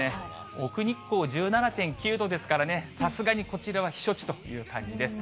奥日光１７．９度ですからね、さすがにこちらは避暑地という感じです。